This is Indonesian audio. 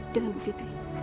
jangan bu fitri